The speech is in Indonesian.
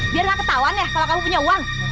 biar gak ketahuan ya kalau kamu punya uang